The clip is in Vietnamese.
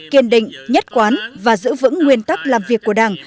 kiên định nhất quán và giữ vững nguyên tắc làm việc của đảng